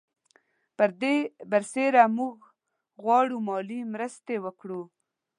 پر دې برسېره موږ غواړو مالي مرستې وکړو.